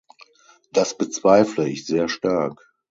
Das bezweifle ich sehr stark.